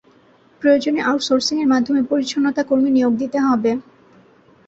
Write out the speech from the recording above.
প্রয়োজনে আউট সোর্সিংয়ের মাধ্যমে পরিচ্ছন্নতাকর্মী নিয়োগ দিতে হবে।